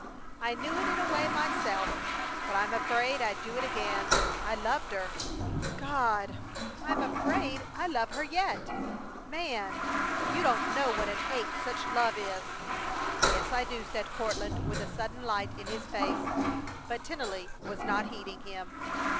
I knew it in a way myself, but I'm afraid I'd do it again! I loved her! God! I'm afraid I love her yet! Man! You don't know what an ache such love is." "Yes, I do," said Courtland, with a sudden light in his face, but Tennelly was not heeding him.